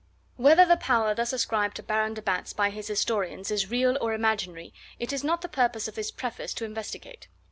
Whether the power thus ascribed to Baron de Batz by his historians is real or imaginary it is not the purpose of this preface to investigate.